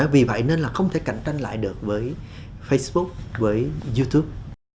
vì vậy nên là không thể cạnh tranh lại được với facebook với youtube